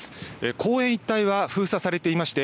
公園一帯は封鎖されていまして